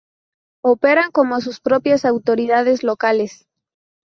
Operan como sus propias autoridades locales.